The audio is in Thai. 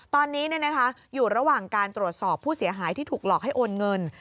ตอนนี้อยู่ระหว่างการตรวจสอบผู้เสียหายที่ถูกหลอกให้โอนเงิน